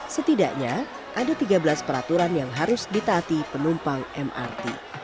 setidaknya ada tiga belas peraturan yang harus ditaati penumpang mrt